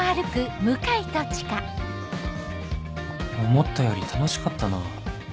思ったより楽しかったな